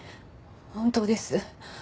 本当です。